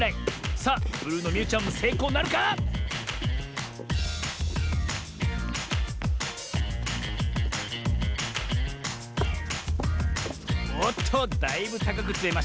さあブルーのみゆちゃんもせいこうなるか⁉おっとだいぶたかくつめましたねえ。